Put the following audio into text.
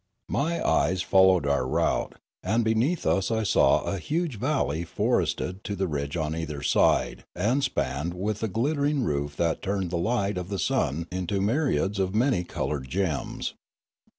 My eyes followed our route; and beneath us I saw a huge valley forested to the ridge on either side and spanned with a glittering roof that turned the light of the sun into myriads of many coloured gems.